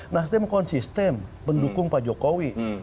nasdem konsisten mendukung pak jokowi